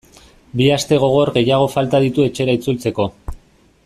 Bi aste gogor gehiago falta ditu etxera itzultzeko.